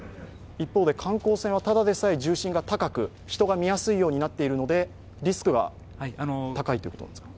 一方で観光船はただでさえ重心が高く、人が見えやすくなっているのでリスクは高いということですか？